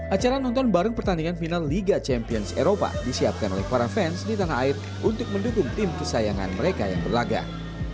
acara nonton bareng pertandingan final liga champions eropa disiapkan oleh para fans di tanah air untuk mendukung tim kesayangan mereka yang berlagak